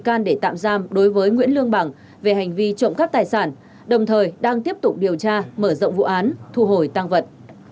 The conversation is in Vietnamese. can để tạm giam đối với nguyễn lương bằng về hành vi trộm cắp tài sản đồng thời đang tiếp tục điều tra mở rộng vụ án thu hồi tăng vật